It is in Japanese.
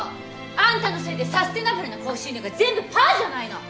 あんたのせいでサステナブルな高収入が全部パァじゃないの！